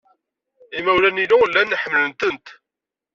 Imawlan-inu llan ḥemmlen-tent.